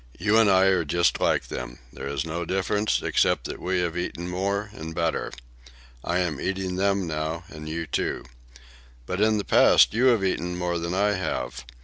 You and I are just like them. There is no difference, except that we have eaten more and better. I am eating them now, and you too. But in the past you have eaten more than I have.